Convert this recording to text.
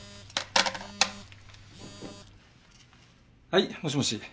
はいもしもし。